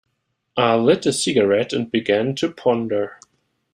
I lit a cigarette and began to ponder.